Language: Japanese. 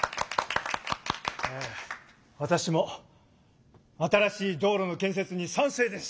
えわたしも新しい道路の建設に賛成です！